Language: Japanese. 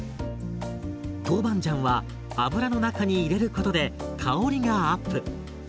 トウバンジャンは油の中に入れることで香りがアップ。